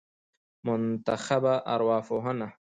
منتخبه ارواپوهنه